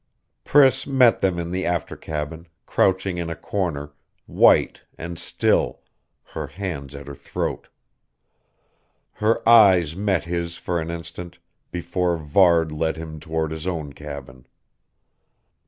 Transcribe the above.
Priss met them in the after cabin, crouching in a corner, white and still, her hands at her throat. Her eyes met his for an instant, before Varde led him toward his own cabin.